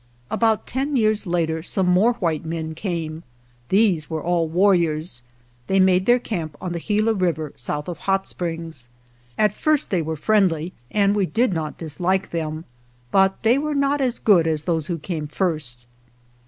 About ten years later some more white men came. These were all warriors. They made their camp on the Gila River south of Hot Springs. At first they were friendly and we did not dislike them, but they were not as good as those who came first.